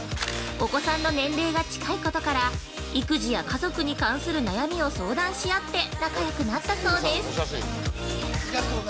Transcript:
お子さんの年齢が近いことから育児や家族に関する悩みを相談し合って、仲良くなったそうです。